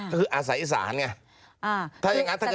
ก็คืออาศัยศาลค่ะ